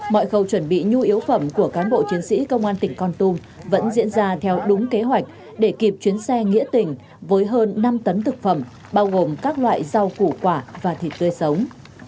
mọi khâu chuẩn bị nhu yếu phẩm của cán bộ chiến sĩ công an tỉnh con tum vẫn diễn ra theo đúng kế hoạch để kịp chuyến xe nghĩa tình với hơn năm tấn thực phẩm bao gồm các loại rau củ quả và thịt tươi sống